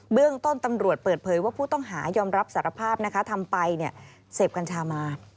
เรื่องต้นตำรวจเปิดเผยว่าผู้ต้องหายอมรับสารภาพนะคะทำไปเสพกัญชามา